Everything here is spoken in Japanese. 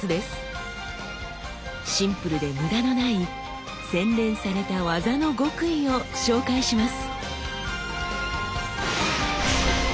シンプルで無駄のない洗練された技の極意を紹介します。